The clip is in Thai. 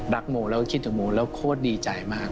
รักโมและคิดถึงโมและโคตรดีใจมาก